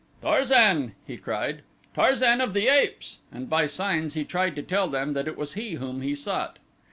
"Tarzan!" he cried, "Tarzan of the Apes!" and by signs he tried to tell them that it was he whom he sought.